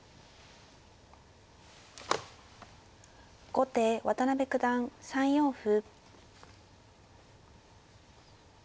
後手渡辺九段３四歩。